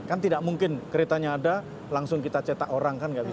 kan tidak mungkin keretanya ada langsung kita cetak orang kan nggak bisa